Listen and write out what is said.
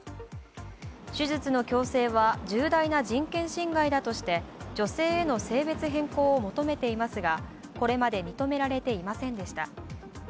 手術の強制は重大な人権侵害だとして女性への性別変更を求めていますが、これまで認められていませんでした。